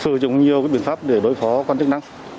sử dụng nhiều biện pháp để đối phó quan chức năng